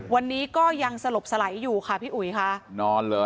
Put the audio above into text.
วันนี้ก็ยังสลบสลายอยู่ค่ะพี่อุ๋ยค่ะนอนเลย